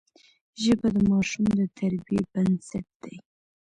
ژبه د ماشوم د تربیې بنسټ دی